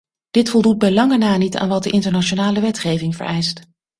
Dit voldoet bij lange na niet aan wat de internationale wetgeving vereist.